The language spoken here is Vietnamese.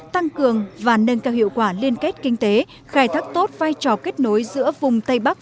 tăng cường và nâng cao hiệu quả liên kết kinh tế khai thác tốt vai trò kết nối giữa vùng tây bắc